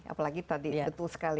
apalagi tadi betul sekali